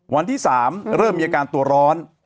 วันที่๓เริ่มมีอาการตัวร้อน